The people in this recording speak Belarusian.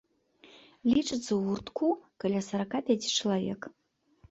Лічыцца ў гуртку каля сарака пяці чалавек.